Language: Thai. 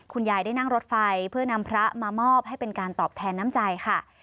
คุณยายได้นั่งรถไฟเพื่อนำพระมามอบให้เป็นการตอบแทนน้ำใจค่ะ